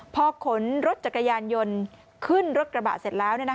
พอขนรถจักรยานยนต์ขึ้นรถกระบะเสร็จแล้ว